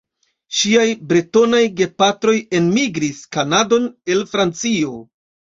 Ŝiaj bretonaj gepatroj enmigris Kanadon el Francio.